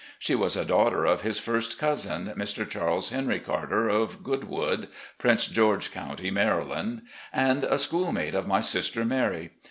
She was a daughter of his first cousin, Mr. Charles Henry Carter, of "Goodwood," Prince George Cotmty, Maryland, and a schoolmate of my sister Mary.